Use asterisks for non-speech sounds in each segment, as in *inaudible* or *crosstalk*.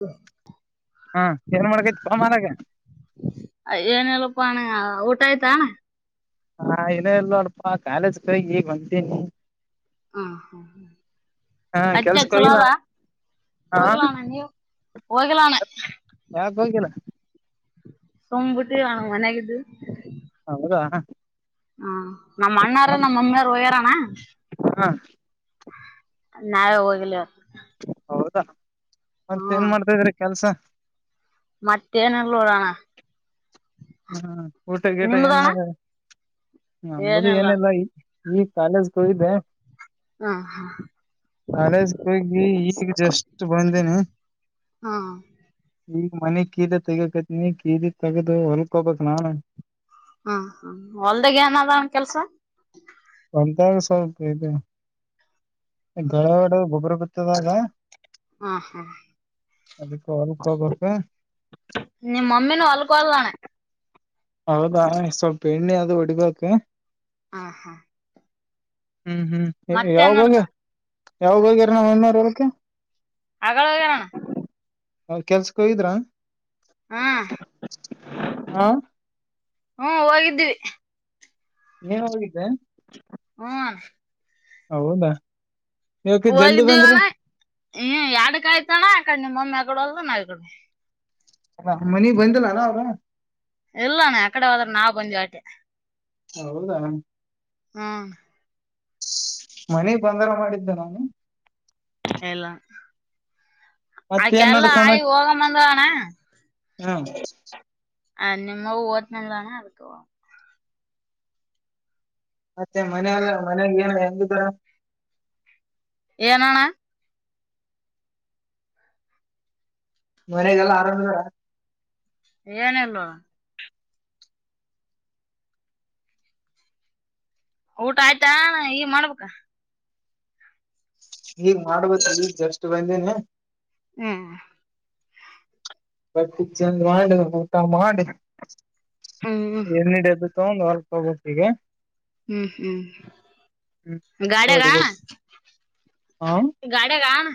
ಹ್ಮ ಹಾ ಏನ್ ಮಾಡ್ಕೈತ್ ತ ಮಾರಾಗ ಏನಲ್ಲಪ್ಪಣ್ಣ ಊಟ ಆಯ್ತಣ್ಣ ಹಾ ನಲ್ಲ ಅಡಪಾ ಕಾಲೇಜ್ ಕಗ್ ಈಗ್ ಬಂತೀನಿ ಆ ಹಾ ಹಾ ಹಾ ಅಚ್ಚ ಕೆಲ್ಸಕ್ ಹೋಗಿಲ್ಲ ಚುಲದಾ ಹಾ ಹೋಗಲಣ ನೀವು ಹೋಗಲಣ ಹೋಗಿನ ಸೋಂಬಿಟ್ಟ ಆನ ಮನೆಗದು ಹೌದಾ ಹಾ ನಮ್ಮ ಅಣ್ಣಾರು ನಮ್ಮ ಮಮ್ಮನಾರು ಉಯಾರಾನ ನಾವೇ ಹೋಗಿಲ್ಲ ಹೌದಾ ಮಂತ ಏನ್ ಮಾಡ್ತಾದ್ರಿ ಕೆಲ್ಸ ಮತ್ತೇನಳ್ಳೋಡಣ ಹ್ಮ್ ಊಟ ಗೇಟ ಏನ್ ನದು ಏನಿಲ್ಲ ಏನಲ್ಲ ಈ ಈ ಕಾಲೇಜ ಕೊದೆೇ ಹಾ ಹಾ ಹಳಜ ಕಿ ಈಗ್ ಜಸ್ಟ್ ಬಂದೇನೆ ಹ್ಮ್ ಈಗ ಮನೆಿ ಕೀದ ತೆಗಕತ್ನಿ ಕೀದ ತಗದು ಹೊಲ್ಕೊಬಕ್ ನಾ ಹ್ಮ ಹ ಹೊಲ್ದಾಗ ಏನದನ್ ಕೆಲ್ಸ ಗಂತಾಗ ಸೌಲ್ಪ ಇದು ಗಡವಾಡೆ ಗೊಬ್ಬರ ಬಿತ್ತದಾಗ ಹ್ಮ ಹಾ ಅದಕ್ಕ ಅವಕ್ಕೋಗಬೇಕ ನಿಮ್ ಮಮ್ಮಿನೂ ಹೊಲ್ಕ್ ಹೋದ್ಲಣ ಹೌದಾ ಸ್ವಲ್ಪ ಎಣ್ಣೆ ಅದು ಹೊಡಿಬೇಕಕ್ ಹ ಹಾ ಹ್ಮ್ ಹ್ಮ್ ಯಾವ ಬಗ್ ನಡ್ದ ಯಾವ ಬಗೆರ ನಾವ ಇಣ್ಣೂರ ಹೊಳಕ್ಕೆ ಅಗಳಗನಣ ಹ ಕೆಲ್ಸಕ್ಕೆ ಇದ್ರಾ ಹ್ಮ್ ಹಾ ಹ್ಮ ಹೋಗಿದ್ದೀವಿ ನೀಏನ್ ಹೋಗಿದ್ದೆ ಹ್ಮನ್ ಹೌದಾ ಇವಕ ಜಲ್ದಿ ಬಂದ್ರಿ ಹೋಗಿದ್ದೀವಣ್ಣ ಹ ಎಡಕಾಯ್ತು ಯಕಡೆ ನಿಮ್ಮಮ್ಮಿ ಆ ಕಡೆ ಅಲ್ಲ ನಾ್ ಕಡೆ ಅ ಮನ ಬಂದಲ್ಲಲ್ಲ ಅವರ ಇಲ್ಲಾನ ಅಕಡೆ ಹದ್ರೆ ನಾ ಬಂದ ಬಟೆ ಹೌದಾ ಹ್ಮ್ ಮನೆಗ್ ಬಂದಾರ ಮಾಡಿದ್ದೆ ನಾನು ಎಲ್ಲಾ ಅದಕ್ಕೆ ಮತ್ತೇನ್ ಎಲ್ಲ ಆಗಿ ಹೋಗ ಬಂದವಣ ಹಾ ಅ ನಿಮ್ಮ ಓದನಲಾನ ಅತ ಮತ್ತೆ ಮನ ಅಲ್ಲ ಮನೆ ಏನು ಹೆಂಗರ ಏನಣ್ಣ ಮನೆಗಲ್ಲ ಆರಾಮ ಏನಲ್ಲ ಊಟ ಆಯ್ತಾ ಈಗ ಮಾಡ್ಬೇಕ ಈಗ್ ಮಾಡ್ಬೇಕ ಈಗ ಜಸ್ಟ್ ಬಂದನ ಹ್ಮ ಬಟ್ಟಿ ಚಂದ ಮಾಡ ಊಟ ಮಾಡಿ ಹ್ಮ್ ಎಡದು ರೋದು ಹೊರ್ಪೋಗೋಿಗೆ ಹ್ಮ್ ಹ್ಮ್ ಹ್ಮ್ ಗಾಡ ಕಣ ಹೊಡಿಬೇಕ್ ಹಾ ಗಾಡಿಯ ಗಣ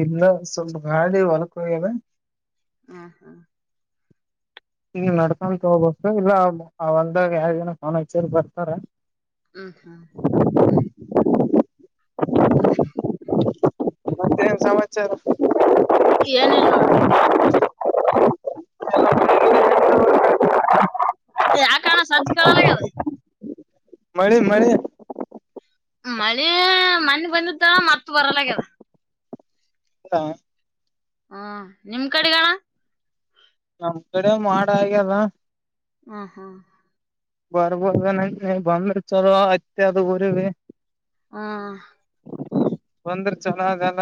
ಇಲ್ಲ ಸವಲ್ಪ ಗಾಳ ವಳಕುದ ಹ ಹಾ ಈಗ ನಡ್ಕೊಂಡಕ್ಕೆೋಗಬು ಇಲ್ಲ ಒಂದಾಗ ಯಾರ್ ಜನ ಫೋನ್ ಹಚ್ಚರ್ ಬರ್ತಾರ ಹ್ಮ್ ಹ್ಮ್ ಮತ್ತೇನ್ ಸಮಾಚಾರ ಏನಲ್ವಾ ಯಾ ಕಾರಣ ಸಜ್ ಕಲ್ಲ ಅದ ಮಳೆ ಮಳೆ ಮಳೆ ಮನಿ ಬಂದಿತ್ತ ಮತ್ ಬರಲಗದ ಹಾ ಹ್ಮ್ ನಿಮ್ಮ ಕಡಿಗಾಣ ನಮ್ ಕಡೆ ಮಾಡಆಗದ ಹ್ಮ ಹಾ ಬರ್ಬೋದೇನಾ ಬಂದ್ರೆ ಚಲೋ ಅತ್ತಿ ಎಲ್ಲ ಉರಿವಿ ಹಾ ಬಂದ್ರೆ ಚೊಲ ಅದಲ್ಲ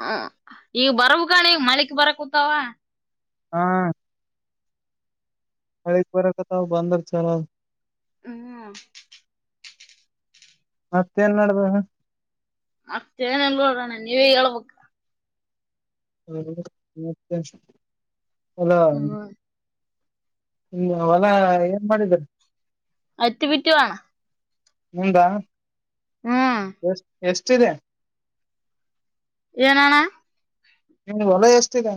ಹ ಈಗ ಬರ್ಬ ಕಣಿ ಮಳಕ್ ಬರ ಕೂತಾವ ಹಾ ಮಳೆ ಬರಕತ್ತೆ ಬಂದ್ರೆ ಚೊಲೊತ್ತ್ ಹ್ಮ ಮತ್ತೇನ್ ಮಾಡಡ್ದ ಮತ್ತೆ ನನ್ ನೋಡಣ್ಣ ನೀವೇ ಹೇಳ್ಬೇಕ ಹ ಅಲ್ಲ ಹ್ಮ್ ಹ್ಮ ಹೊಲ್ಲ ಏನ್ ಮಾಡಿದರ ಅತ್ತುಪಿಟ್ಟುವಣ ಮುಂದಾ ಹ್ಮ್ ಎಷ್ಟ ಎಷ್ಟಿದೆ ಏನಣ ನಿಮ್ದು ಹೊಲಯ ಎಷ್ಟಿದೆ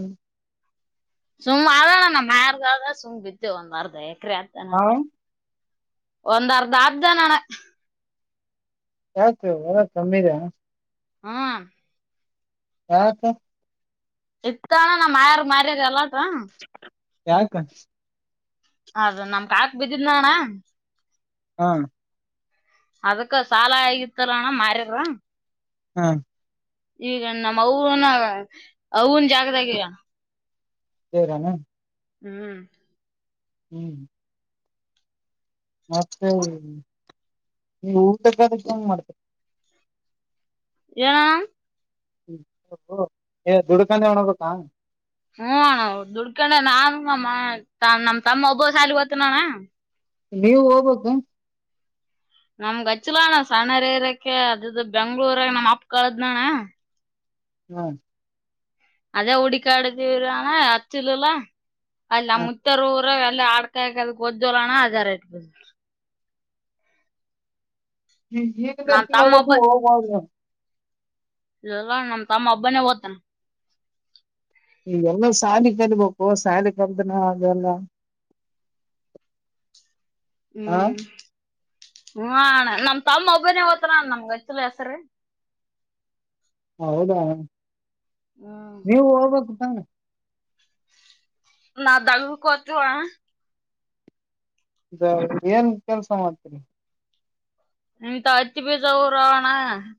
ಸುಮ್ಮ್ ನ ಮಾರ ಸುಮ್ಮ್ ಬಿತ್ತ ಒಂದಾರದ ಏಕ್ರತಣ ಹಾ ಒಂದ ಅರ್ಧ ಆರನಣ ಆಯ್ತು ಹೊರ ಕಮ್ಮಿದ ಹ್ಮ ಯತ ಎತ್ತಣ ನಮ್ಮ ಮಾಯಾರ ಮಾಾರ ಎಲ್ಲ ಯಾಕ ಅದ ನಮ್ ಕಕ್ ಬಿದ್ದಿದ ಅಣ್ಣ ಹಾ ಅದಕ್ಕ ಸಾಲಾಗತ್ತರಣ ಮಾರಿರ ಹಾ ಈಗ ನಮ್ಮ್ ಅವನ ಅವವುನ್ ಜಾಗದಾಗಗ ಸೇರಣ ಹ್ಮ್ ಹ್ಮ್ ಮತ್ತೆ ನೀ ಊಟಕ್ಕಾ ಅದ್ಕ ಏನ್ ಮಾಡ್ತರಿ. ಏನು. ಹ್ಮ ದುಡ್ಕಾನೆ ಉಣಬೇಕಾ. ಹ್ಮ ಅಣ್ಣ ದುಡ್ಕೊಂಡೆ ನಾನುಮ್ಮ ನಮ್ಮ್ ತಮ್ಮ ಒಬ್ಬ ಸಾಲಿಗೆ ಹೋಗ್ತಾನ ಅಣ್ಣ. ನೀವು ಹೋಗ್ಬೇಕು. ನಮ್ಗ ಅಚ್ಚಲಣ್ಣ ಸಣ್ಣರ ಇರಕ್ಕೆ ಅದ್ದ ಬೆಂಗ್ಳೂರ ನಮ್ಮ್ ಅಪ್ಪ ಕಳದ್ನಣ್ಣ. ಹ್ಮ ಅದೇ ಹೂಡಿಕ್ಯಡಿದೀವ್ರಿ ಅಣ್ಣ ಅಚ್ಚಲಿಲ್ಲ ಅಲ್ಲ ಹ ಮುುತ್ತರು ಊರಾಗ. ಆಡು ಕಾಯಕ ಅದ್ಕ ಹೋತಿವು ಅಣ್ಣ ಜರಾ ಅದ ನಮ್ ತಮ್ಮ ಒಬ್ಬ *unintelligible* ಇಲ್ಲ ಅಣ್ಣ ನಮ್ ತಮ್ಮ ಓಬ್ಬಾನೇ ಓತನ ಈಗೆಲ್ಲಾ ಸಾಲಿ ಕಲಿಬೇಕು ಸಾಲಿ ಕಲ್ತೀನಿ ಅದೆಲ್ಲ. *inaudible* ಹಾ ಹ್ಮ್ ಹ್ಹ್ ಅಣ್ಣ ನಮ್ ತಮ್ಮ ಒಬ್ಬನೇ ಹೋಗ್ತಾನಾ ಅಣ್ಣ ನಮ್ಗೆ ಅಚ್ಚಿಲ್ಲ ಹೆಸ್ರು. *inaudible* ಹೌದಾ ಹ್ಮ್ ನೀವು ಹೋಗ್ಬೇಕ. ನಾವು ದಗದಕಾ ಹೋಗ್ತೀವಿ ಅಣ್ಣ. ಏನ್ ಕೆಲ್ಸ ಮಾಡ್ತೀರಿ. ಇಂತ ಹತ್ತಿ ಬೀಜ ಉರೊವು ಅಣ್ಣ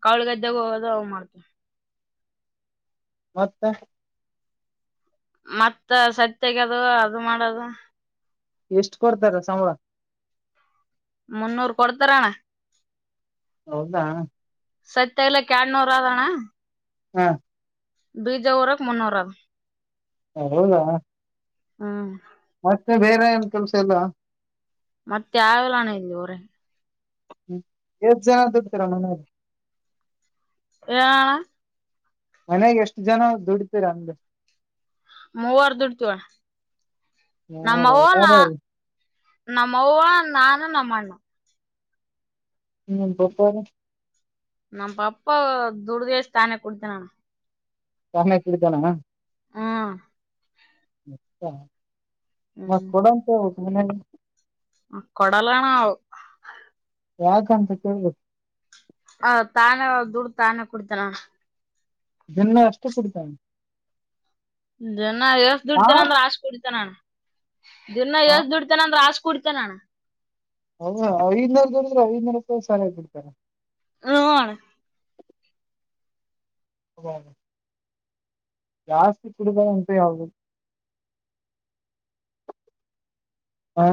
ಕೌಳೀ ಗದ್ಯಗಾ ಹೋಗದ ಅವು ಮಾಡ್ತನೀ. ಮತ್ತ ಮತ್ತ ಸತ್ಯಹೋಗ್ಯದ ಅದು ಮಾಡದು ಎಷ್ಟು ಕೊಡ್ತಾರ ಸಂಬಳ. ಮುನ್ನೂರು ಕೊಡ್ತರಣ. ಹೌದಾ ಸತ್ಯಹೊಗ್ಯಾಲಕ್ಕ ಎರಡ್ನೂರು ಆದ ಅಣ್ಣ. ಹಾ ಬೀಜ ಉರಾಕ ಮುನ್ನೂರು ಆದ. ಹ ಹೌದಾ ಹ್ಮ ಮತ್ತೆ ಬೇರೆ ಏನ್ ಕೆಲ್ಸ ಇಲ್ಲ. ಮತ್ತೆ ಯಾವ್ ಇಲ್ಲ ಅಣ್ಣ ಊರಾಗ. *unintelligible* ಹೇಳ್ ಅಣ್ಣ. ಮನ್ಯಾಗ ಎಷ್ಟು ಜನ ದುಡ್ತಿರ ಅಂತ. ಮೂವರು ದುಡ್ತೀವಿ ಅಣ್ಣ. ಯಾರ ನಮ್ಮವ್ವ ನಾ ಯಾರ ನಮ್ಮವ್ವ ನಾನು ನಮ್ಮಣ್ಣ *unintelligible* ನಮ್ಮ ಅಪ್ಪಾ ದುಡಿಡುಗೆಸಿಂದ ತಾನೆ ಕುಡಿತನ ಅಣ್ಣ. ತಾನೆ ಕುಡಿತನೇನು. ಹೂ ಅಣ್ಣ. ಮತ್ತ ಹ್ಮ್ ಕೊಡಂತ ಹೇಳಬೇಕು ಮನ್ಯಾಗ. ಕೊಡಲ್ಲಣ್ಣ ಅವು. ಯಾಕಂತ ಕೇೇಳಬೇಕು. ಹ ತಾನೇ ದುಡ್ಡು ತಾನೇ ಕುಡಿತಾನ ಅಣ್ಣ. ದಿನ್ನ ಅಷ್ಟೇ ಕುಡಿತನ. ದಿನ್ನ ಎಸ್ ದುಡಿತೇನ ಅಂದ್ರ ಆಶ್ ಕುಡಿತನಣ. ದಿನ್ನ ಹ ಎಸ್ ದುಡತಾನ ಅಂದ್ರ ಆಸ್ ಕುಡ್ತನಣ್ಣ. ಹೌದ ಐದ್ನೂರು ದುಡಿದ್ರೆ ಐದ್ನೂರು ರೂಪಾಯಿ ಸಾರಾಯಿ ಕುಡ್ತನ. ಹೂ ಅಣ್ಣ. ಹಾ *unintelligible* ಜಾಸ್ತಿ ಕುಡಿಬ್ಯಾಡ ಅಂತೆ ಯದು *unintelligible* ಹಾ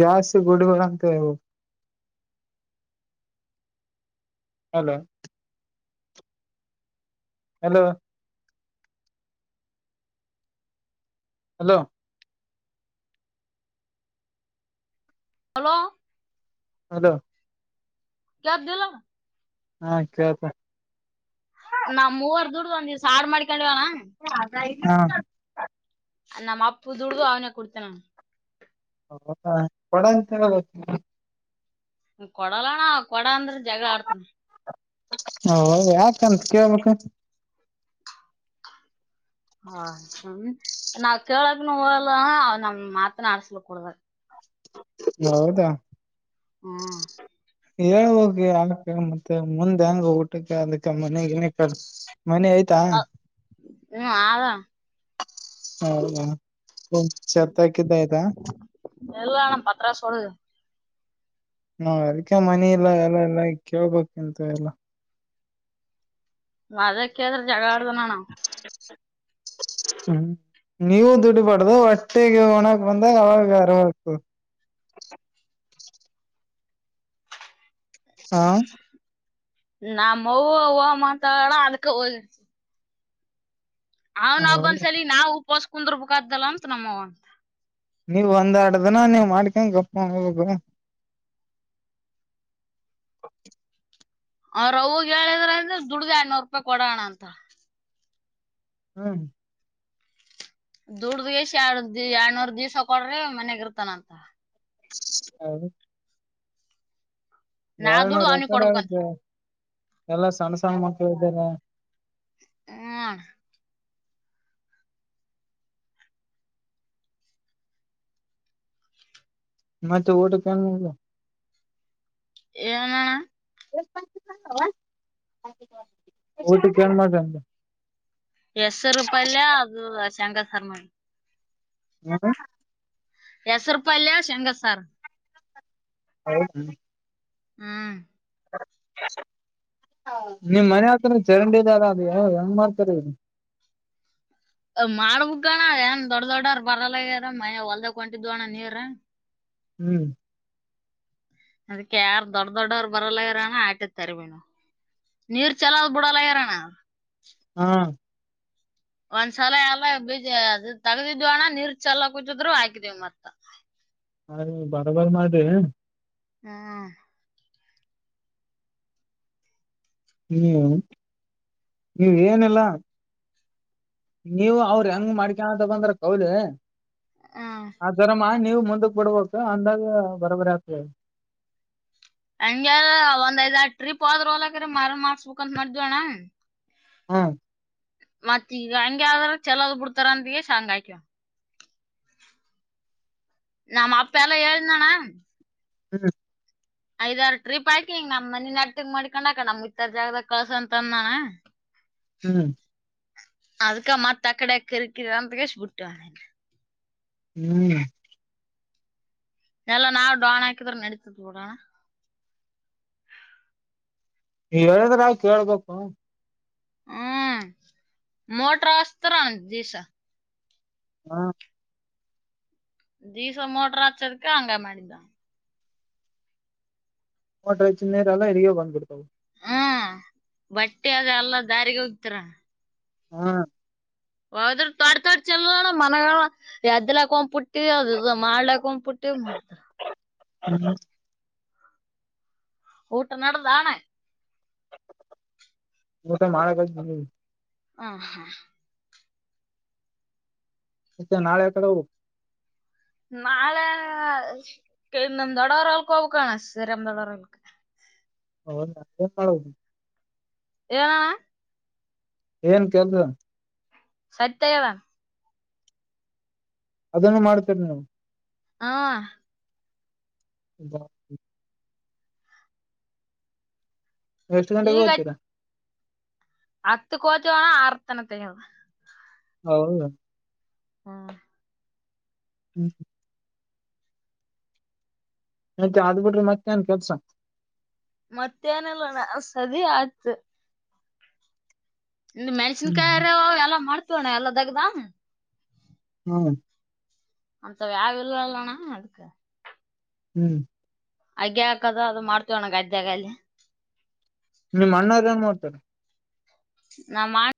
ಜಾಸ್ತಿ ಗುಡುಗಳು ಅಂತೆ ಅವು. Hello hello hello hello hello ಕೆಳದಿಲ್ಲ್ ಹಾ ಕೇಳ್ತ ನಾವ್ ಮೂವರ್ ದುಡ್ದ್ ಒಂದು ದಿನ್ ಸಾರ್ ಮಾಡ್ಕೊಂಡವಣ ಹಾ ನಮ್ಮ ಅಪ್ಪ ದುಡುದ್ ಅವನೆ ಕೊಡ್ತನ ವಪ *unintelligible* ಪಡಂತಂತ ಕೊಡಲಾ ಅಣ್ಣ ಕೊಡ್ ಅಂದ್ರೆ ಜಗಳ ಆಡ್ತಾನೆ. ಹೌದ ಯಾಕಂತ್ ಕೇಳಬೇಕ್ಕತ್ತು ಹ ಹ ನಾವ್ ಕೇಳಕ್ನು ಒಲ್ಲ ಅವ ನಮ್ ಮಾತನ್ ಆಡ್ಸ್ಲ ಕೂಡ್ದ ಯಾವುದ ಹ್ಮ ಹೇಳ್ ಹೋಗಿ ಆಕ ಮತ್ತೆ ಮುಂದ್ ಹೆಂಗ ಊಟಕ್ಕೆ ಅದಕ್ಕೆ ಮನೆಗ್ ಏನಕ್ ಕರ್ಸ ಹ ಹ್ಮ್ ಆದ *unintelligible* ಹೌದ ಹ ಚತ್ತಕ್ಕಿದ್ದಯದಾ *unintelligible* ಇಲ್ಲ ಅಣ್ಣ ಪತ್ರ ಸೊಡದು ಹಾ ಅದಕ್ಕೆ ಮನಿ ಇಲ್ಲ ಎಲ್ಲ ಎಲ್ಲ ಕೇಳ್ಬೇಕಿಂತೆ ಎಲ್ಲ ಆದೆ ಕೇಳಿದ್ರೆ ಜಗಳ ಆಡ್ದನ ಅಣ್ಣ ಹ್ಮ್ ನೀವು ದುಡ್ಡುಬಾರ್ದು ಹೊಟ್ಟೆಗೆ ಒಣಕ್ ಬಂದಾಗ ಅವಾಗ ಆರವ್ ಹೋಕ್ *unintelligible* ಹಾ ನಮ್ ಅವ್ವ ಅವ್ವ ಮಾತಡ್ ಅದು ಹೋದಿ ಅವನ್ ಹೌದ ಒಬ್ಬನ್ ಸಲಿ ನಾವು ಉಪಸ್ ಕುಂದರ್ ಬೆಕತಲ್ ಅಂತ್ ನಮ್ಮವ ಅಂತ ನೀವ್ ಒಂದ್ ಎರಡ್ ದಿನ ನೀವ್ ಮಾಡ್ಕ ಗಪ್ಪ್ ನ ಆಗಬೇಕ್ ಅಲ್ *unintelligible* ಅವರ ಅವ್ಗೆ ಹೇಳಿದ್ರೆ ಅಂದ್ರೆ ದುಡ್ದ್ ಎರಡ್ ನೂರು ರೂಪಾಯಿ ಕೊಡೋಣ ಅಂತಾಳ. ಹ್ಮ್ ದುಡ್ದ್ ಎಷ್ಟ ಎರದ್ ಎರಡ್ನೂರ್ ದಿವ್ಸ ಕೊಡ್ರೆ ಮನ್ಗ ಇರ್ತಾನಂತ. ಹ *unintelligible* ನಾ ಏನೂ ದುಡ್ದು ಅವ್ನಿಗೆ ರೆಕಾರ್ಡ್ ಕೊಡ್ಬೇಕಂತ ಆಗುತ್ತೆ ಎಲ್ಲಾ ಸಣ್ಣ ಸಣ್ಣ ಮಕ್ಕಳು ಇದ್ದಾರೆ. ಹ ಮತ್ತ್ ಊಟ ತಗೊಂಡ್ ಹೋಗಿಲ್ ಏನಣ್ಣ ಊಟ ಕೆನ್ ಮಾಡ್ದೆ ಅಂದೆ ಹೆಸ್ರು ಪಲ್ಯ ಅದು ಶೇಂಗಾ ಸಾರ್ ಮಾಡ್ದ್ನಿ ಹ್ಮ *unintelligible* ಹೆಸರು ಪಲ್ಯ ಶೇಂಗಾ ಸಾರ್ ಹೌ ಹ್ಮ *unintelligible* ಹ್ಮ್ *unintelligible* ನಿಮ್ ಮನೆ ಹತ್ತಿರಿ ಚರಂಡಿ ಬ್ಯಾರೆ ಅದೆ ಹೆಂಗ್ ಮಾಡ್ತಾರಿ ಇಗ್ ಮಾಡ್ಬುಕ್ಣ್ಣ ಏನ್ ದೊಡ್ಡ ದೊಡ್ಡರ್ ಬರಲ್ಲಗಾರ ಮಯ ಹೊಲ್ದ ಹೊಂಟಿದ್ವ ಅಣ್ಣ ನೀರ್ರ ಹ್ಮ್ ಅದ್ ಯಾರ್ ದೊಡ್ಡ ದೊಡ್ಡವರು ಬರಲ್ಲಾರಣ ಆಟದ ತರಿಬನು ನೀರ್ ಚಲೋದ್ ಬಿಡಲ್ಲ ಯಾರಣ್ಣ ಹಾ ಒಂದ್ಸಲ ಎಲ್ಲ ಬೀಜ ಅದು ತಗದಿದ್ವಿ ಅಣ್ಣ ನೀರ್ ಚೆಲ್ಲ ಕುೂತಿದ್ರು ಹಾಕಿದೀವಿ ಮತ್ತತ್ *inaudible* ಅ ಬರಬರ್ ಮಾಡದ ಹ್ಮ ಹ್ಮ್ ನೀವ ಏನೆಲ್ಲ ನೀವು ಅವ್ರ ಹೆಂಗ ಮಾಡ್ಕಂತ ಬಂದ್ರ ಕೌಲಿ ಹ್ಮ್ ಆದರಮ ನೀವು ಮುಂದಕ್ ಬಡ್ಬೇಕ ಅಂದಾಗ ಬರಬರಿ ಆಗ್ತದೆ ಹಂಗಗೆಾರ ಒಂದ್ ಐದ್ ಆಾರ ಟ್ರಿಪ್ ಆದ್ರರು ಹೊಲಕ್ರ ಮರ ಮಾಡಾರ್ಸ್ಬೇಕಂತ ಮಾಡ್ದ್ವಣ್ಣ ಹಾ ಮತ್ ಈಗ ಹಂಗಗೆ ಆದ್ರ ಚಲೋದ್ ಬಿಡ್ತಾರ ಅಂತಗ ಸಾಂಗ್ ಆಕ್ಯವ ನಮ್ಮ ಅಪ್ಪ ಎಲ್ಲ ಎಳ್ದಾನ ಹ್ಮ ಐದ್ರ ಟ್ರಿಪ್ ಆಯಕಿಂಗ ನಮ್ ಮನ ನಟಗ್ ಮಾಡಿ ಕೊಂಡಕ ನಮ್ಗೆ ಇತರ ಜಾಗದ ಕಳ್ಸ ಅಂತ ಅಂದಾನ ಹ್ಮ್ ಅದಕ್ಕ ಮಾತ್ತ ಕಡೆ ಕರುಕಿರಂತ ಕ ಸ ಬಿಟ್ಟವಳ ಹ್ಮ್ ಎಲ್ಲಾ ನಾವವು ಡೋನ್ ಹಾಕಿದ್ರ ನಡತಿದ್ ಬಿಡೋಣ ಹೇಳಿದ್ರೆ ನಾವ ಕೇಳ್ಬೇಕು ಹ್ಮ್ ಮೊಟರಸ್ತ ದಸ ಹಾ ಡೀಸೋ ಮೋಟರಾಚದಕ್ಕೆ ಅಂಗ ಮಡಿದಾ ಮೋಟ್ರೆ ಚಿನ್ನ ನೀರ ಎಲ್ಲ ಹರಿಗ ಬಂದ್ಬಡ್ತಾವವು ಹ್ಮ ಬಟ್ಟೆ ಅದ ಎಲ್ಲ ದಾರಿಗೆ ಹೋಗತರ ಹಾ ಹದ್ರ ತೊಡ್ ತೊಡ್ ಚಲ ಮನ ಎದ್ಲಾಕ ಒಂದ ಪುಟ್ಟಿ ಅ ಮಾಡ್ಲಾಕ ಒಂದ ಪುಟ್ಟಿ ಷ್ಟ ಮಾಡ್ತ್ರ ಹ್ಮೌ ಹೌದು ಊಟ ನದಣ *unintelligible* ಹ ಹಾ ಎತ್ತೆ ನಾಳೆಕ ನಾಳೆ ನಮ್ಮ ದೊಡ್ಡವರು ಹೊಲಕ್ಕೆ ಹೋಗಬೇಕು ಹಣ ಶ್ರೀರಾಮ್ ದೊಡ್ಡವರೂ ಹೌ ನಾದು *inaudible* ಏನ್ ಕೆಲ್ಸ ಸತ್ಯಯವ ಅದನ್ನು ಮಾಡ್ತೇರಿ ನಾವು ಹಾ *unintelligible* ಎಷ್ಟು ಗಂಟೆಗೆ ಈಗ ಹೋಗ್ತೀರಾ ಹತ್ತು ಕೋಚಣ ಅರ್ತನ ತ ಹೌದು ಹ್ಮ ಹ್ಮ್ ಹ್ಮ ಮತ್ತ ಆದ ಬಿಟ್ರೆ ಮತ್ತೆನ್ ಕೆಲ್ಸ ಮತ್ತೆ ಏನ ಇಲ್ಲ ಅಣ್ಣ ಸರಿ ಆತ. ನಿ ಹ್ಮ್ ಮೆಣಸಿನಕಾಯಿ ಹರೆವ ಅವ ಎಲ್ಲಾ ಮಾಡ್ತವಣ್ಣ ಎಲ್ಲಾ ದಗ್ದ. ಹ್ಮ್. ಅಂತ ವ್ಯಾವ ಇಲ್ಲ ಇಲ್ಲಣ ಅದಕ್ಕ. ಹ್ಮ್. ಅಗೆ ಹಾಕದ ಅದು ಮಾಡ್ತೇವಣ ಗದ್ಯಾಗ ಅಲಿ. ನಿಮ್ಮ ಅಣ್ಣಾರ ಏನ್ ಮಾಡೋ್ತರ. ನಮ್ಮ ಆನ್.